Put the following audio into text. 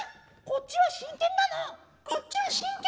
こっちは真剣なの！